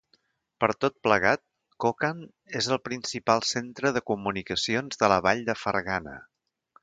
Per tot plegat, Kokand és el principal centre de comunicacions de la vall de Fergana.